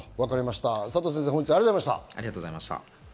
佐藤先生、本日はありがとうございました。